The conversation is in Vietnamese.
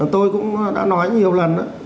tôi cũng đã nói nhiều lần